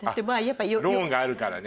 ローンがあるからね。